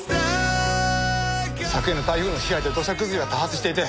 「昨夜の台風の被害で土砂崩れが多発していて」